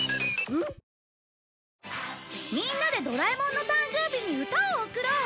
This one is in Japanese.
みんなでドラえもんの誕生日に歌を贈ろう！